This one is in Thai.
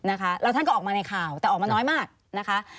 นะคะแล้วท่านก็ออกมาในข่าวแต่ออกมาน้อยมากนะคะ